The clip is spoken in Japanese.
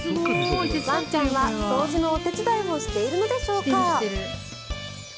ワンちゃんは掃除のお手伝いをしているのでしょうか。